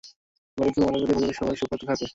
বাড়ির কেউ মারা গেলে পরিবারের সাবই শোকাহত থাকে।